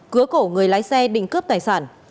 cứa cổ người lái xe định cướp tài sản